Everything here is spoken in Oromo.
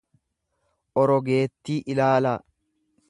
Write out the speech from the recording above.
orogeettii ilaalaa.